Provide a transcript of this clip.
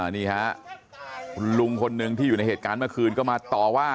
นี่ฮะคุณลุงคนหนึ่งที่อยู่ในเหตุการณ์เมื่อคืนก็มาต่อว่า